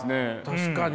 確かに。